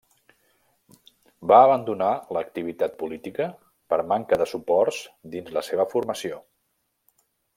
Va abandonar l'activitat política per manca de suports dins la seva formació.